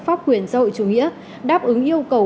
pháp quyền xã hội chủ nghĩa đáp ứng yêu cầu